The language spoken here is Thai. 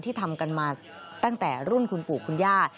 ทำกันมาตั้งแต่รุ่นคุณปู่คุณย่า